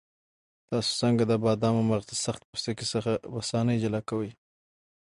تاسو څنګه د بادامو مغز له سخت پوستکي څخه په اسانۍ جلا کوئ؟